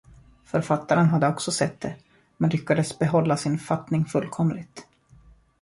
Författaren hade också sett det, men tycktes behålla sin fattning fullkomligt.